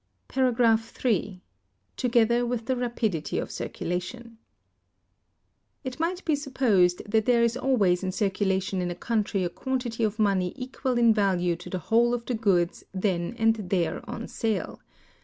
§ 3. —Together with the Rapidity of Circulation. It might be supposed that there is always in circulation in a country a quantity of money equal in value to the whole of the goods then and there on sale.